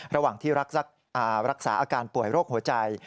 ระหว่างที่รักษาอาการป่วยโรคหัวใจ